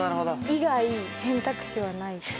以外選択肢はないです。